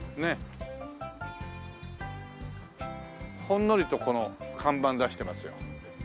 ほんのりとこの看板出してますよ。